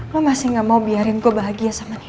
lo masih gak mau biarin gue bahagia sama kita